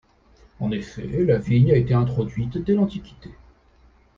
En effet, la vigne a été introduite dès l'antiquité.